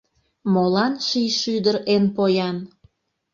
Молан ший шӱдыр эн поян.